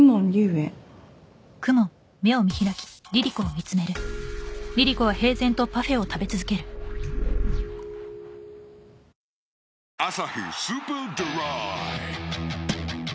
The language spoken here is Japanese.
炎「アサヒスーパードライ」